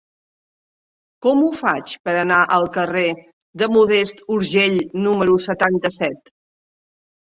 Com ho faig per anar al carrer de Modest Urgell número setanta-set?